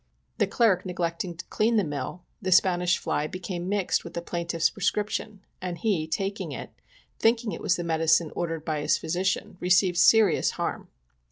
The clerk neglecting to clean the mill, the Spanish fly became mixed with the plaintiff's prescription,, and he, taking it, thinking it was the medicine ordered by his physician, received serious harm.